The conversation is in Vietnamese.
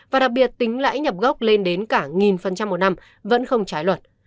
và đặc biệt tính lãi nhập gốc lên đến cả một một năm vẫn không trái luật